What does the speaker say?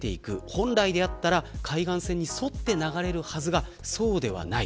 本来であったら海岸線に沿って流れるはずがそうではない。